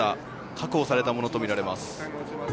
確保されたものとみられます。